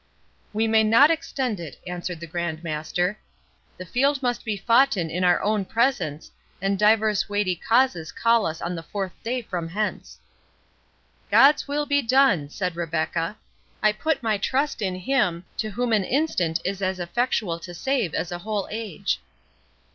"We may not extend it," answered the Grand Master; "the field must be foughten in our own presence, and divers weighty causes call us on the fourth day from hence." "God's will be done!" said Rebecca; "I put my trust in Him, to whom an instant is as effectual to save as a whole age."